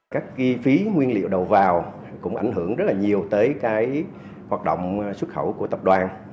các chi phí nguyên liệu đầu vào cũng ảnh hưởng rất là nhiều tới hoạt động xuất khẩu của tập đoàn